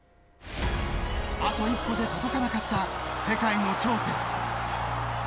あと一歩で届かなかった世界の頂点。